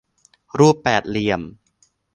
รูปแปดเหลี่ยม